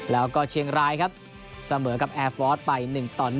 แล้วก็เชียงรายครับเสมอกับแอร์ฟอร์สไป๑ต่อ๑